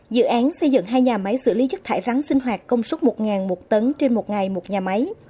dự án xây dựng hai nhà máy xử lý chất thải rắn sinh hoạt công suất một một tấn trên một ngày một nhà máy